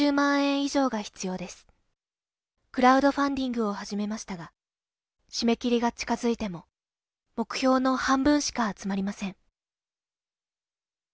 クラウドファンディングを始めましたが締め切りが近づいても目標の半分しか集まりません。